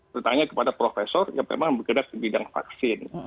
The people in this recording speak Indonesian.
bertanya kepada profesor yang memang bergerak di bidang vaksin